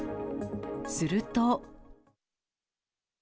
すると。